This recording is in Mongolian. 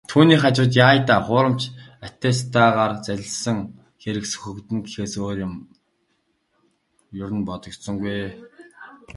Түүний хажууд "яая даа, хуурамч аттестатаар залилсан хэрэг сөхөгдөнө" гэхээс өөр юм ер бодогдсонгүй.